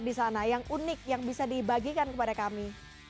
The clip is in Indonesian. di sana yang unik yang bisa dibagikan kepada kami